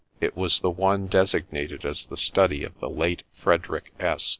It was the one designated as the study of the late Frederick S